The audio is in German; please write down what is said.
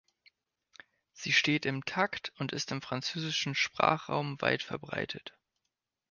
Sie steht im -Takt und ist im französischen Sprachraum weit verbreitet.